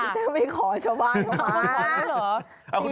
คุณแซมไปขอชาวบ้านเขามา